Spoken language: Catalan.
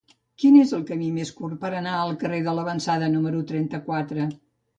Quin és el camí més curt per anar al carrer de L'Avançada número trenta-quatre?